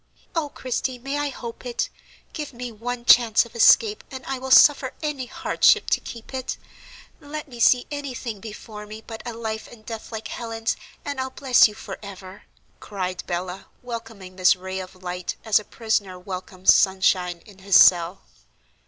"Oh, Christie, may I hope it? Give me one chance of escape, and I will suffer any hardship to keep it. Let me see any thing before me but a life and death like Helen's, and I'll bless you for ever!" cried Bella, welcoming this ray of light as a prisoner welcomes sunshine in his cell.